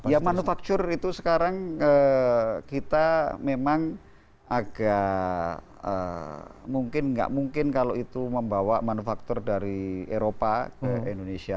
ya manufaktur itu sekarang kita memang agak mungkin nggak mungkin kalau itu membawa manufaktur dari eropa ke indonesia